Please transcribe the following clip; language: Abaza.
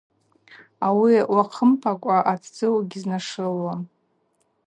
Ауи уахъымпакӏва атдзы утьызнашылуашым.